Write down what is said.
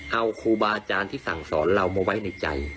เอาครูบาอาจารย์ที่สั่งสอนเรามาไว้ในใจ